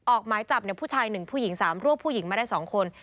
ออกไม้จับเนี่ยผู้ชายหนึ่งผู้หญิงสามรวบผู้หญิงไม่ได้สองคน